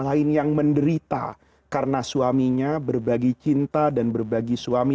lain yang menderita karena suaminya berbagi cinta dan berbagi suami